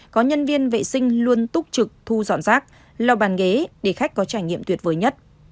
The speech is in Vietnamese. có nhân viên vệ sinh luôn túc trực thu dọn rác lau bàn ghế để khách có trải nghiệm tuyệt vời nhất